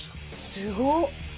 すごっ。